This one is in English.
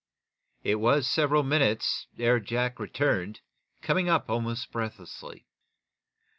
It was several minutes ere Jack returned, coming up almost breathlessly.